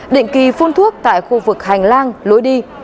định kỳ phun thuốc tại khu vực hành lang lối đi